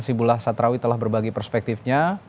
sibullah satrawi telah berbagi perspektifnya